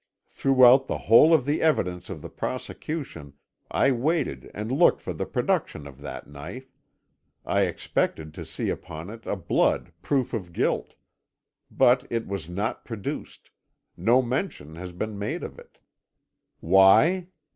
Throughout the whole of the evidence for the prosecution I waited and looked for the production of that knife; I expected to see upon it a blood proof of guilt. But it was not produced; no mention has been made of it. Why?